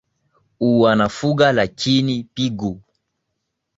u wanafuga lakini pigo